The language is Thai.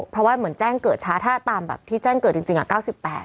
เพราะว่าเหมือนแจ้งเกิดช้าถ้าตามแบบที่แจ้งเกิดจริงจริงอ่ะเก้าสิบแปด